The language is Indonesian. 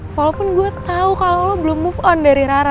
walaupun gue tau kalau lo belum move on dari rara